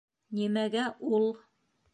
Нимәгә ул...